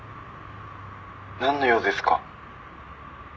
「なんの用ですか？」